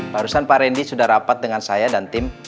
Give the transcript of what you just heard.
barusan pak randy sudah rapat dengan saya dan tim